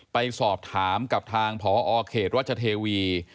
ไปสอบถามกับทางพอเขตวัชเทวี